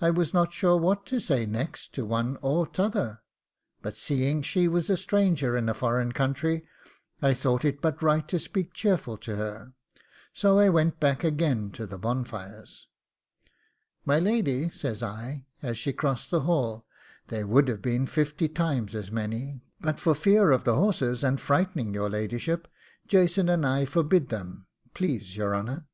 I was not sure what to say next to one or t'other, but seeing she was a stranger in a foreign country, I thought it but right to speak cheerful to her; so I went back again to the bonfires. 'My lady,' says I, as she crossed the hall, 'there would have been fifty times as many; but for fear of the horses, and frightening your ladyship, Jason and I forbid them, please your honour.